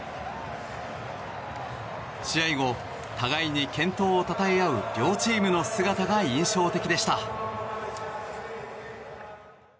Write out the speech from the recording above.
試合後、互いに健闘をたたえ合う両チームの姿が印象的でした。